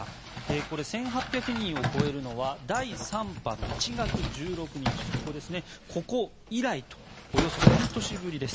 これ、１８００人を超えるのは第３波の１月１６日ここ以来とおよそ半年ぶりです。